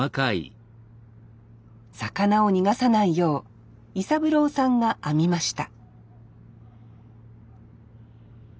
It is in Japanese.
魚を逃がさないよう伊三郎さんが編みました